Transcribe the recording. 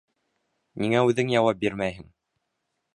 Ниңә үҙең яуап бирмәйһең?